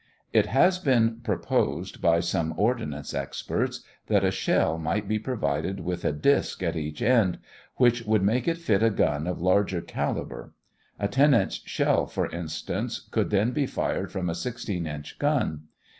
It has been proposed by some ordnance experts that a shell might be provided with a disk at each end, which would make it fit a gun of larger caliber. A 10 inch shell, for instance, could then be fired from a 16 inch gun.